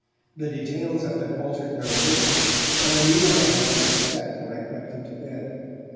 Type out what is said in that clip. The details of it altered very little, and I knew what I had to expect when I crept into bed.